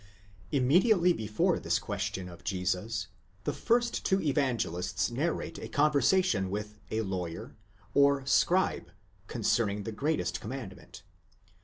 Immediately before this question of Jesus, the first two Evangelists narrate a conversation with a /awyer, νομικὸς, or s¢erile, γραμματεὺς, concerning the greatest commandment.